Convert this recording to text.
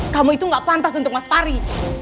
kamu itu gak pantas untuk mas fari